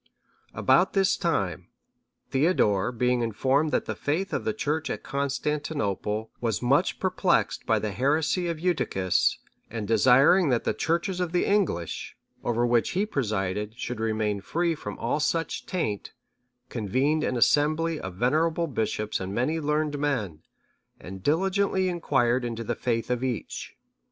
] About this time, Theodore being informed that the faith of the Church at Constantinople was much perplexed by the heresy of Eutyches,(644) and desiring that the Churches of the English, over which he presided, should remain free from all such taint, convened an assembly of venerable bishops and many learned men, and diligently inquired into the faith of each.